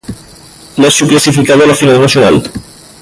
Lazio clasificado a la Final Nacional.